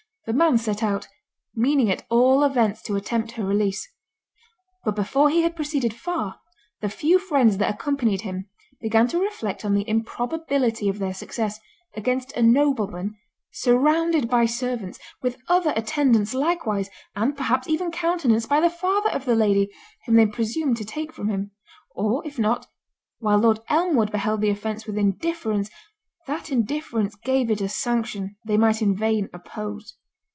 The man set out, meaning at all events to attempt her release; but before he had proceeded far, the few friends that accompanied him, began to reflect on the improbability of their success, against a nobleman, surrounded by servants, with other attendants likewise, and, perhaps, even countenanced by the father of the lady, whom they presumed to take from him; or if not, while Lord Elmwood beheld the offence with indifference, that indifference gave it a sanction, they might in vain oppose.